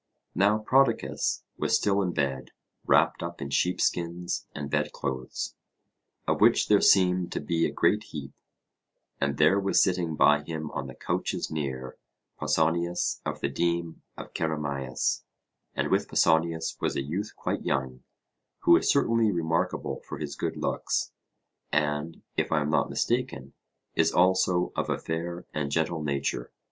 Now Prodicus was still in bed, wrapped up in sheepskins and bedclothes, of which there seemed to be a great heap; and there was sitting by him on the couches near, Pausanias of the deme of Cerameis, and with Pausanias was a youth quite young, who is certainly remarkable for his good looks, and, if I am not mistaken, is also of a fair and gentle nature.